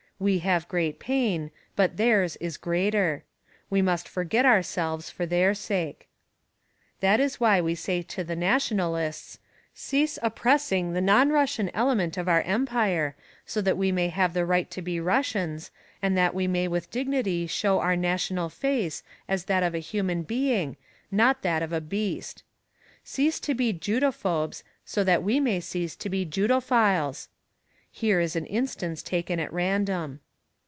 We have great pain, but their's is greater. We must forget ourselves for their sake. That is why we say to the "Nationalists": Cease oppressing the non Russian element of our empire, so that we may have the right to be Russians, and that we may with dignity show our national face, as that of a human being, not that of a beast. Cease to be 'Judophobes' so that we may cease to be 'Judophiles.' Here is an instance taken at random.